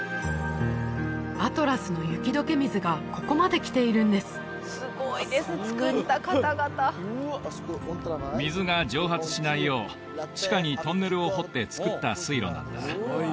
アトラスの雪解け水がここまで来ているんですすごいですねつくった方々水が蒸発しないよう地下にトンネルを掘ってつくった水路なんだ